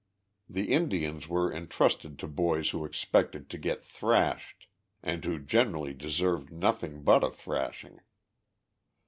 The Indians were intrusted to boys who expected to get thrashed, and who generally deserved nothing but a thrashing.